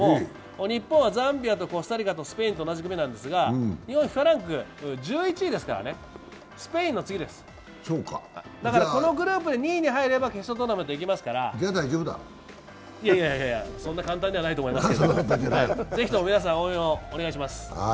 日本はザンビアとコスタリカとスペインと同じ組なんですが日本はＦＩＦＡランク１１位ですからねスペインの次です、だからこのグループで２位に入れば、決勝トーナメントに行けますから簡単じゃないと思います。